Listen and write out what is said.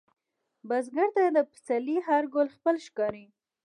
بزګر ته د پسرلي هر ګل خپل ښکاري